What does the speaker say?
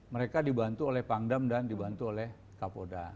mereka dibantu oleh pangdam dan dibantu oleh kapolda